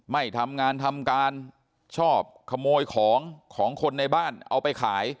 ไม่ทำงานทำการชอบขโมยของของคนในบ้านเอาไปขาย